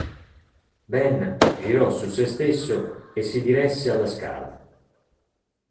Ben girò su sé stesso e si diresse alla scala.